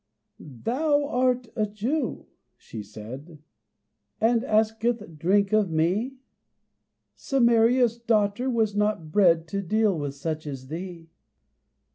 "Thou art a Jew," she said, "And asketh drink of me? Samaria's daughter was not bred To deal with such as thee."